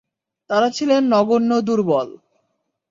তারা ছিলেন নগণ্য দুর্বল।